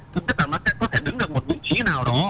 có thể đứng được một vị trí nào đó